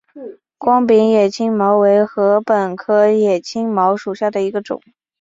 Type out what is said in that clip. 光柄野青茅为禾本科野青茅属下的一个种。